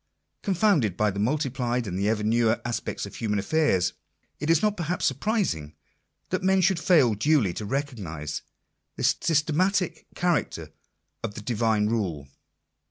Confounded by the multiplied and ever new aspects of human affairs, it is not perhaps surprising that men should fail duly to recognise the systematic character of the Divine rule.